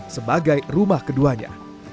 sebagai rumah keduanya